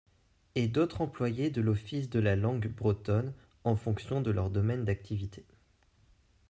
Et d’autres employés de l’Office de la Langue Bretonne, en fonction de leur domaine d’activité.